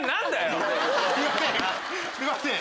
すいません。